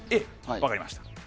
分かりました。